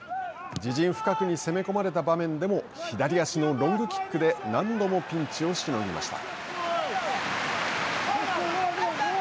自陣深くに攻め込まれた場面でも左足のロングキックで何度もピンチをしのぎました。